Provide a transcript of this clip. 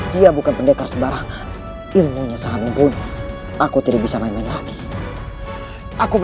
dia bukan pendekar sebarang ilmunya sangatpun aku tidak bisa main main lagi aku